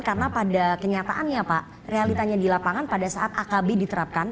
karena pada kenyataannya pak realitanya di lapangan pada saat akb diterapkan